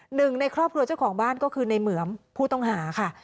หนึ่งในครอบครัวเจ้าของบ้านก็คือในเหมือมผู้ต้องหาค่ะ